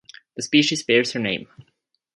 The species bears her name.